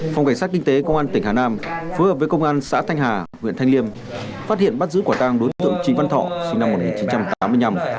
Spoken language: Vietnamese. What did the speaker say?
công an xã thanh hà huyện thanh liêm phát hiện bắt giữ quả tang đối tượng chính văn thọ sinh năm một nghìn chín trăm tám mươi năm